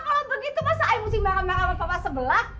kalau begitu masa ayah mesti marah marah sama papa sebelah